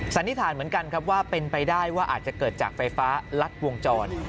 สันนิษฐานเหมือนกันครับว่าเป็นไปได้ว่าอาจจะเกิดจากไฟฟ้ารัดวงจร